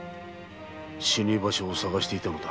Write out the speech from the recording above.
死に場所を探していたのだ。